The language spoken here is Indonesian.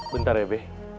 bentar ya be